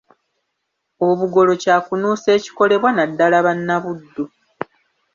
Obugolo kya kunuusa ekikolebwa naddala Bannabuddu .